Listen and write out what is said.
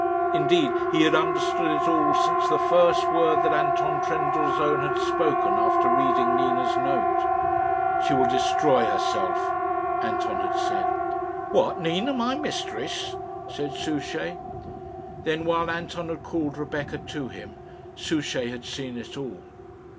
Indeed he had understood it all since the first word that Anton Trendellsohn had spoken after reading Nina's note. "She will destroy herself," Anton had said. "What! Nina, my mistress?" said Souchey. Then, while Anton had called Rebecca to him, Souchey had seen it all.